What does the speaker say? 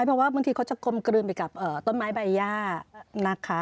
เพราะว่าบางทีเขาจะกลมกลืนไปกับต้นไม้ใบย่านะคะ